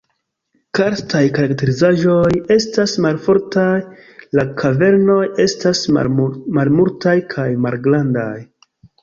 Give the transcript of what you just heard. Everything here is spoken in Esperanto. Karstaj karakterizaĵoj estas malfortaj, la kavernoj estas malmultaj kaj malgrandaj.